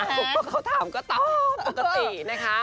ฮ่าฮ่าเขาถามก็ตอบปกตินะคะ